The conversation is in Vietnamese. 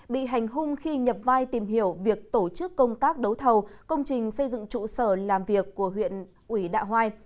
bị hành hung khi nhập vai tìm hiểu việc tổ chức công tác đấu thầu công trình xây dựng trụ sở làm việc của huyện ủy đạ hoai